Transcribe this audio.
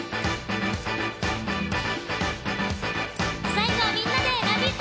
最後はみんなで「ラヴィット！」